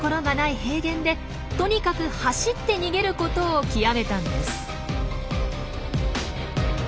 平原でとにかく走って逃げることを極めたんです。